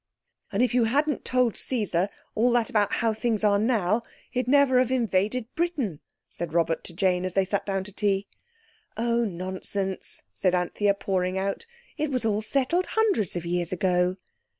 "And if you hadn't told Caesar all that about how things are now, he'd never have invaded Britain," said Robert to Jane as they sat down to tea. "Oh, nonsense," said Anthea, pouring out; "it was all settled hundreds of years ago."